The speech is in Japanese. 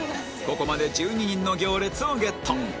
ここまで１２人の行列をゲット